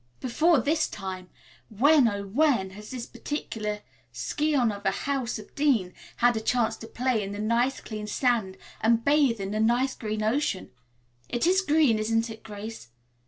Before this time, when, oh, when, has this particular scion of the house of Dean had a chance to play in the nice clean sand and bathe in the nice green ocean? It is green, isn't it, Grace?